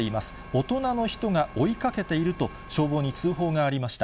大人の人が追いかけていると、消防に通報がありました。